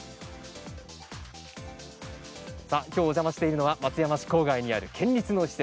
きょう、お邪魔しているのは松山市郊外にある県立の施設